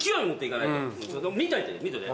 見といて見といて。